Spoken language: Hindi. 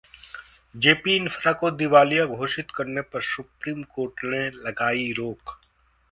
जेपी इंफ्रा को दिवालिया घोषित करने पर सुप्रीम कोर्ट ने लगाई रोक